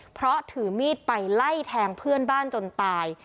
เพราะถือมีดไปไล่แทงเพื่อนบ้านจนตาย